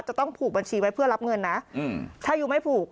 จะต้องผูกบัญชีไว้เพื่อรับเงินนะถ้ายูไม่ผูก